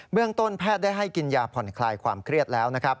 เมืองต้นแพทย์ได้ให้กินยาผ่อนคลายความเครียดแล้วนะครับ